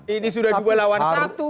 ini sudah dua lawan satu